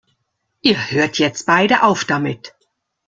Ihr hört jetzt beide auf damit!